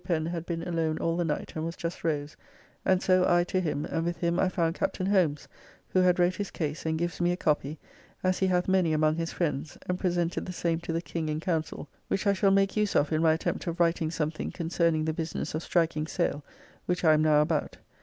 Pen had been alone all the night and was just rose, and so I to him, and with him I found Captain Holmes, who had wrote his case, and gives me a copy, as he hath many among his friends, and presented the same to the King and Council. Which I shall make use of in my attempt of writing something concerning the business of striking sail, which I am now about.